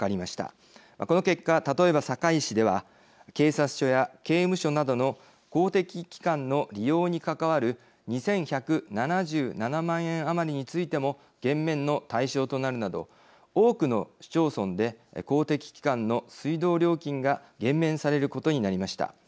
この結果例えば堺市では警察署や刑務所などの公的機関の利用に関わる２，１７７万円余りについても減免の対象となるなど多くの市町村で公的機関の水道料金が減免されることになりました。